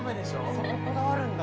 そここだわるんだ。